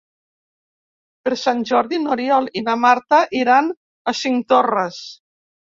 Per Sant Jordi n'Oriol i na Marta iran a Cinctorres.